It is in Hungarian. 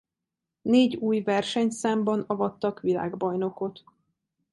Négy új versenyszámban avattak világbajnokot.